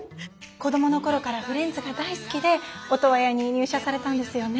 子どもの頃からフレンズが大好きでオトワヤに入社されたんですよね。